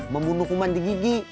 membunuh kuman di gigi